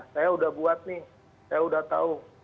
saya udah buat nih saya udah tahu